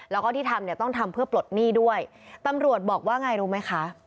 แล้วก็ที่ทำเนี่ยต้องทำเพื่อปลดหนี้ด้วยตำรวจบอกว่าไงรู้ไหมคะ